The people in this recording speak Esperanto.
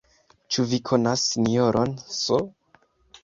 Ĉu vi konas Sinjoron S.